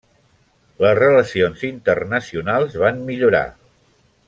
Les relacions internacionals van millorar.